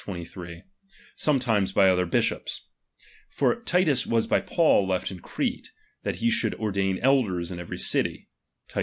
23) : sometimes by other bisiiops ; for Titus was by Paul left in Crete, that he should ordain elders in every city {Tit.